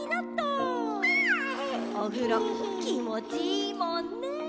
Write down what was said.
おふろきもちいいもんね。